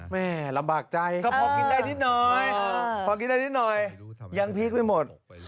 แม่ลำบากใจก็พอกินได้นิดหน่อยพอกินได้นิดหน่อยยังพีคไม่หมด